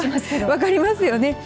分かりますよね。